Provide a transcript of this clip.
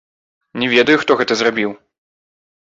Не ведаю, хто гэта зрабіў.